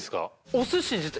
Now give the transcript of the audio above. お寿司自体